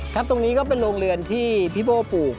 ตรงนี้ก็เป็นโรงเรือนที่พี่โบ้ปลูก